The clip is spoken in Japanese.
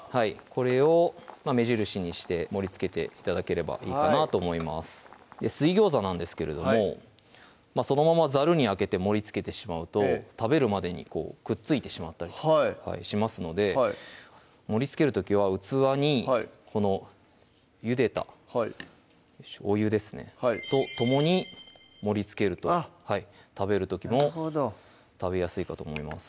これを目印にして盛りつけて頂ければいいかなと思います水餃子なんですけれどもそのままざるにあけて盛りつけてしまうと食べるまでにくっついてしまったりしますので盛り付ける時は器にこのゆでたお湯ですねと共に盛り付けるとあっ食べる時も食べやすいかと思います